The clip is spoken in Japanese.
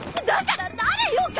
だから誰よ！？